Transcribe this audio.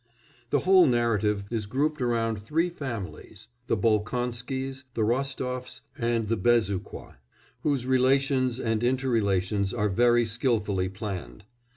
The whole narrative is grouped around three families: the Bolkonskys, the Rostofs, and the Bezukhois, whose relations and inter relations are very skilfully planned.